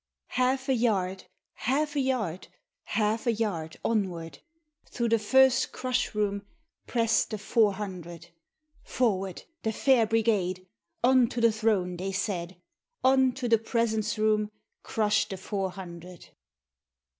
Half a yard— half a yard Half a yard onward. Through the first crush room Pressed the Four Hundred. Forward — the Fair Brigade ! On to the Throne, they said: On to the Presence Room Crushed the Four Hundred.